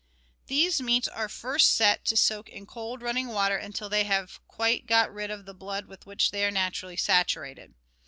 These meats are first set to soak in cold, running water until they have quite got rid of the blood with which they are naturally saturated.